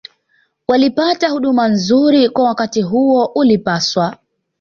walipata huduma nzuri Kwa wakati huo ulipaswa